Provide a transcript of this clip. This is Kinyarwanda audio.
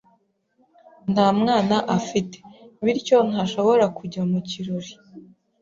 Nta mwana afite, bityo ntashobora kujya mu kirori.